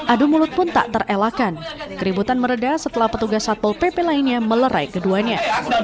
adu mulut pun tak terelakkan keributan meredah setelah petugas satpol pp lainnya melerai keduanya